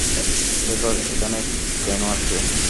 শেখর এখানে কেনো আসবে?